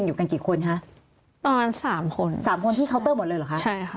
อยู่กันกี่คนคะประมาณสามคนสามคนที่เคาน์เตอร์หมดเลยเหรอคะใช่ค่ะ